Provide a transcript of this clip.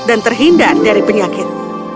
dan terhindar dari penyakit